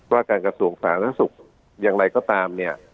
ว่าการกระทรวงสาธารณสุขอย่างไรก็ตามเนี่ย